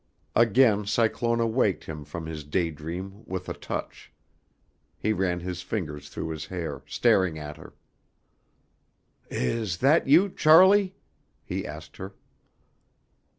Again Cyclona waked him from his day dream with a touch. He ran his fingers through his hair, staring at her. "Is that you, Charlie," he asked her.